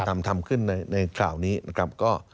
ทำขึ้นในข่าวนี้ก็